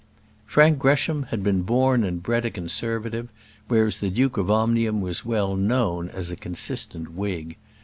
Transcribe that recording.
Frank Gresham had been born and bred a Conservative, whereas the Duke of Omnium was well known as a consistent Whig.